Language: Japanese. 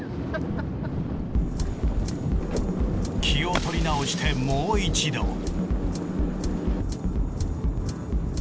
気を取り直してもう一度。